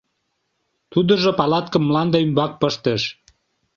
Тудыжо палаткым мланде ӱмбак пыштыш.